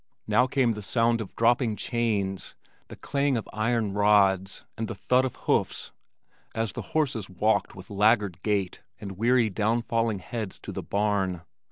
Now came the sound of dropping chains, the clang of iron rods, and the thud of hoofs as the horses walked with laggard gait and weary down falling heads to the barn.